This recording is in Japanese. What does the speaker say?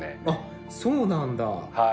あっそうなんだ。